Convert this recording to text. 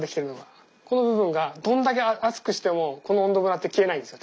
この部分がどんだけ熱くしてもこの温度むらって消えないんですよ